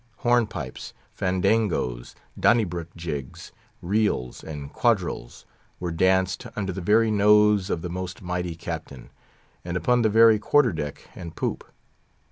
Hornpipes, fandangoes, Donnybrook jigs, reels, and quadrilles, were danced under the very nose of the most mighty captain, and upon the very quarter deck and poop.